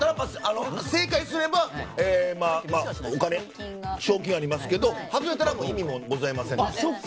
正解すれば賞金がありますけども外れたら意味もございませんので。